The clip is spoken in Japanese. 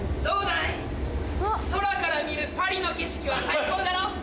どうだい空から見るパリの景色は最高だろ？